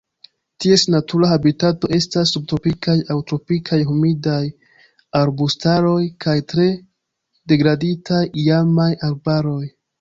Ties natura habitato estas subtropikaj aŭ tropikaj humidaj arbustaroj kaj tre degraditaj iamaj arbaroj.